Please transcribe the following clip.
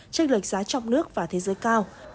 trách lệch giá trong nước và thế giới cao